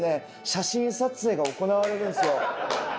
写真撮影が行われるんですよ。